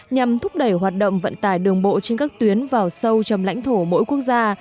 nhằm thúc đẩy hoạt động vận tải đường bộ trên các tuyến vào sâu trong lãnh thổ mỗi quốc gia